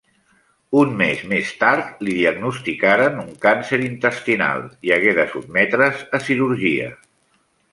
Un mes més tard li diagnosticaren un càncer intestinal i hagué de sotmetre's a cirurgia.